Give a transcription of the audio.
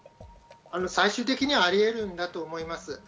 最終的にはあり得るんだと思います。